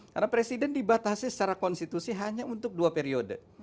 karena presiden dibatasi secara konstitusi hanya untuk dua periode